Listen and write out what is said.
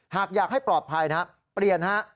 หากอยากให้ปลอดภัยนะเปลี่ยนฮะ